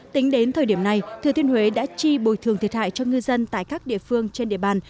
tính đến thời điểm này thừa thiên huế đã chi bồi thường thiệt hại cho ngư dân tại các địa phương trên địa bàn